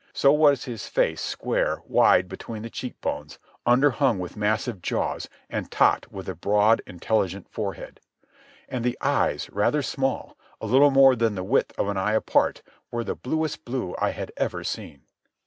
So was his face square, wide between the cheekbones, underhung with massive jaws, and topped with a broad, intelligent forehead. And the eyes, rather small, a little more than the width of an eye apart, were the bluest blue I had ever seen.